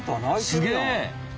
すげえ！